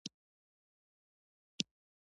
افغانستان د کابل د پلوه ځانته ځانګړتیا لري.